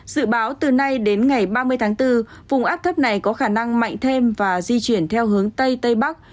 dự báo từ nay đến ngày ba mươi tháng bốn vùng áp thấp này có khả năng mạnh thêm và di chuyển theo hướng tây tây bắc